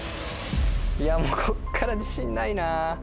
いやこっから自信ないな。